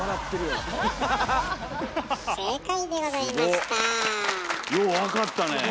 ようわかったねえ。